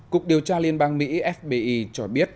cục điều tra liên bang mỹ cho biết